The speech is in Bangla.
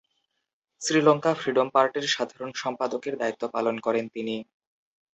শ্রীলঙ্কা ফ্রিডম পার্টির সাধারণ সম্পাদকের দায়িত্ব পালন করেন তিনি।